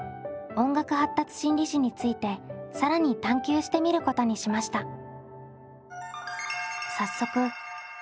音楽発達心理士について更に探究してみることにしました。